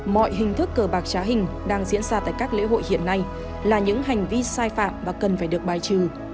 mọi hình thức cờ bạc trá hình đang diễn ra tại các lễ hội hiện nay là những hành vi sai phạm và cần phải được bài trừ